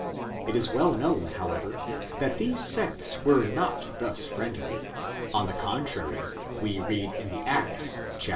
It is well known, however, that these sects were not thus friendly ; on the contrary, we read in the Acts (xxiii.